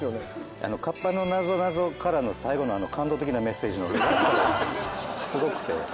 カッパのなぞなぞからの最後の感動的なメッセージの落差がすごくて。